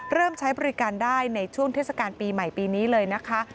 เริ่มใช้บริการได้ในช่วงเทศกาลปีใหม่ปีนี้เลยนะคะ